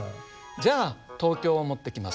じゃあ東京を持ってきます。